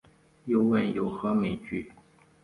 又问有何美句？